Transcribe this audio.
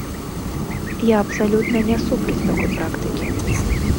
Я абсалютна не супраць такой практыкі.